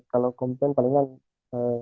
kalau komplain paling tidak